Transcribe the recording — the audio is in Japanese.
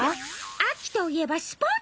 あきといえばスポーツ！